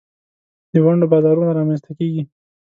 د ونډو بازارونه رامینځ ته کیږي.